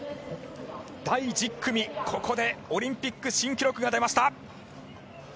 第１０組、ここでオリンピック新記録が出ました！